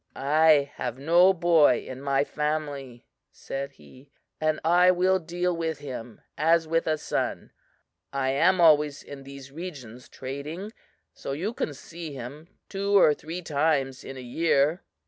"I have no boy in my family," said he, "and I will deal with him as with a son. I am always in these regions trading; so you can see him two or three times in a year."